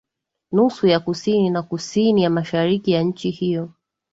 Nusu ya kusini na kusini ya mashariki ya nchi hiyo